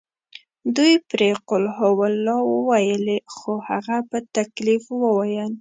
دوی پرې قل هوالله وویلې خو هغه په تکلیف وویل.